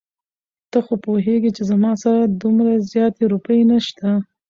ته خو پوهېږې چې زما سره دومره زياتې روپۍ نشته.